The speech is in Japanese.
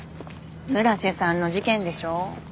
村瀬さんの事件でしょ？